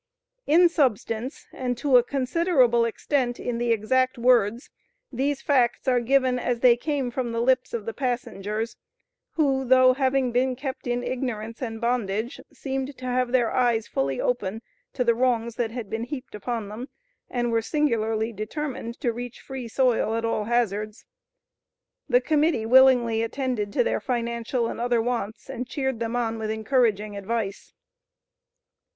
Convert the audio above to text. In substance, and to a considerable extent in the exact words, these facts are given as they came from the lips of the passengers, who, though having been kept in ignorance and bondage, seemed to have their eyes fully open to the wrongs that had been heaped upon them, and were singularly determined to reach free soil at all hazards. The Committee willingly attended to their financial and other wants, and cheered them on with encouraging advice.